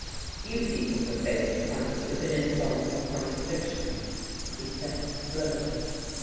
" You people were faced once with an insoluble contradiction," he said slowly.